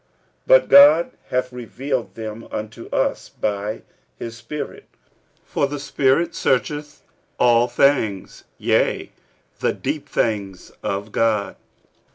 46:002:010 But God hath revealed them unto us by his Spirit: for the Spirit searcheth all things, yea, the deep things of God.